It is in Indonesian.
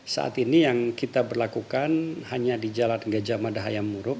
saat ini yang kita berlakukan hanya di jalan gajah mada hayam muruk